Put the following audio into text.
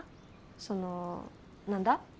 その何だ？